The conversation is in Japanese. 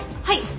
はい。